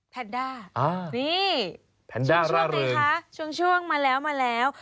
แพนด้านี่ช่วงมาแล้ว